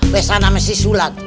besar sama si sulat